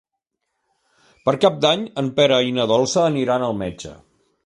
Per Cap d'Any en Pere i na Dolça aniran al metge.